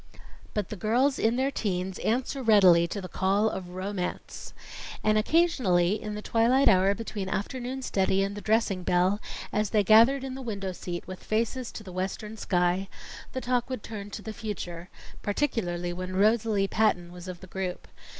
But the girls in their teens answer readily to the call of ROMANCE. And occasionally, in the twilight hour between afternoon study and the dressing bell, as they gathered in the window seat with faces to the western sky, the talk would turn to the future particularly when Rosalie Patton was of the group.